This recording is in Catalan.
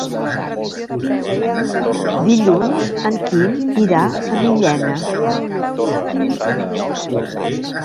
Dilluns en Quim irà a Millena.